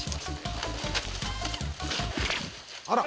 あら。